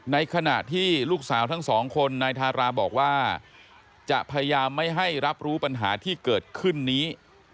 ในขณะที่ลูกสาวทั้งสองคนนายทาราบอกว่าจะพยายามไม่ให้รับรู้ปัญหาที่เกิดขึ้นนี้